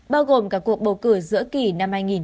bao gồm cả cuộc bầu cử giữa kỷ năm hai nghìn một mươi hai